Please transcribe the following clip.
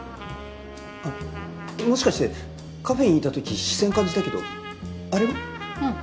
あっもしかしてカフェにいた時視線感じたけどあれも？